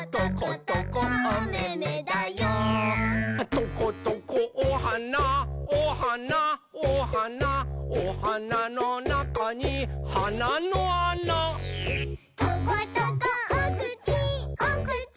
「トコトコおはなおはなおはなおはなのなかにはなのあな」「トコトコおくちおくち